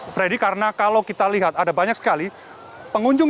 freddy karena kalau kita lihat ada banyak sekali pengunjung